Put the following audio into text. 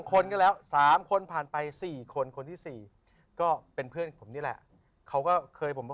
๒คนก็แล้ว๓คนผ่านไป๔คนคนที่๔ก็เป็นเพื่อนของผม